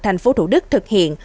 tp hcm thực hiện